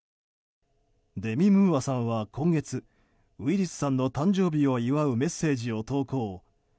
デミ・ムーアさんは今月ウィリスさんの誕生日を祝うメッセージを投稿。